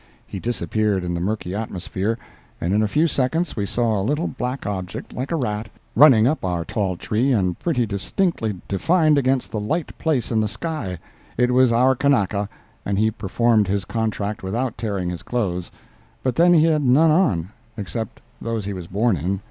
He disappeared in the murky atmosphere, and in a few seconds we saw a little black object, like a rat, running up our tall tree and pretty distinctly defined against the light place in the sky; it was our Kanaka, and he performed his contract without tearing his clothes—but then he had none on, except those he was born in.